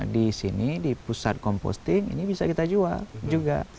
di sini di pusat komposting ini bisa kita jual juga